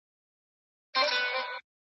ټولنه بايد نوي ليکوالان وېږوي.